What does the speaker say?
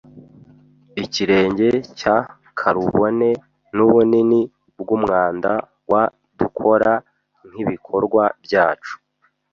Ikirenge cya karubone nubunini bwumwanda wa dukora nkibikorwa byacu.